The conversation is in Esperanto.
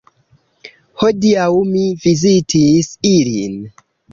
Hodiaŭ mi vizitis ilin.